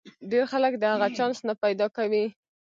ډېر خلک د هغه چانس نه پیدا کوي.